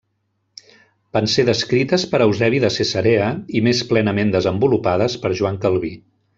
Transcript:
Van ser descrites per Eusebi de Cesarea i més plenament desenvolupades per Joan Calví.